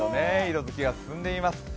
色づきが進んでいます。